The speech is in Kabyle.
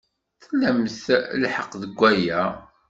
Tlamt lḥeqq deg waya.